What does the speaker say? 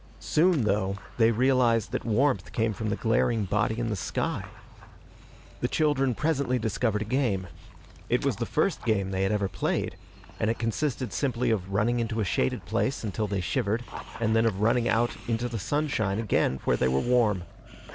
Soon, though, they realized that warmth came from the glaring body in the sky. The children presently discovered a game. It was the first game they had ever played, and it consisted simply of running into a shaded place until they shivered, and then of running out into the sunshine again where they were warm.